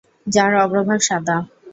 যার অগ্রভাগ সাদা।